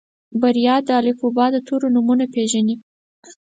بريا د الفبا د تورو نومونه پېژني.